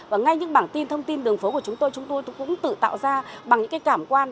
và ngay những bảng tin thông tin đường phố của chúng tôi chúng tôi cũng tự tạo ra bằng những cái cảm quan